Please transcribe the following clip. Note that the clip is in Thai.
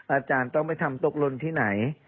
อาจารย์ต้องไปทำตกลนที่ไหน